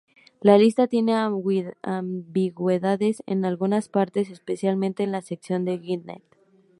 La lista tiene ambigüedades en algunas partes, especialmente en la sección de Gwynedd.